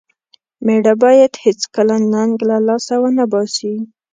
مېړه بايد هيڅکله ننګ له لاسه و نه باسي.